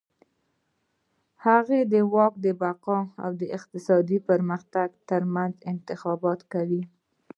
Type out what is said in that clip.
هغه د واک د بقا او اقتصادي پرمختګ ترمنځ انتخاب کاوه.